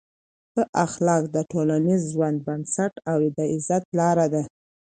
ښه اخلاق د ټولنیز ژوند بنسټ او د عزت لار ده.